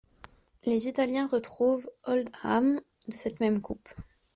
Les Italiens retrouvent Oldham, de cette même coupe.